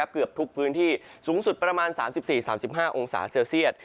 เกือบทุกพื้นที่สูงสุดประมาณ๓๔๓๕องศาเซลเซียต